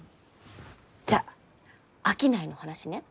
じゃあ商いの話ね。